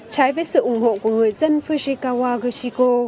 trái với sự ủng hộ của người dân fujikawa gushiko